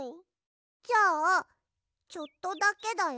じゃあちょっとだけだよ。